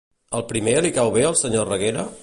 Al primer li cau bé el senyor Reguera?